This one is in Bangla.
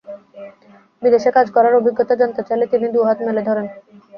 বিদেশে কাজ করার অভিজ্ঞতা জানতে চাইলে তিনি দুই হাত মেলে ধরেন।